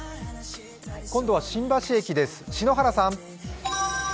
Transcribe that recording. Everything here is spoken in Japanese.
今度は新橋駅です、篠原さん